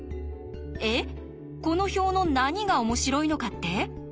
えっこの表の何が面白いのかって？